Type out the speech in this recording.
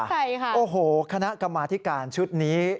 ใช่ค่ะโอ้โหคณะกรรมาธิการชุดนี้